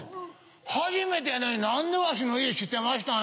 「初めてやのに何でわしの家知ってましたん？」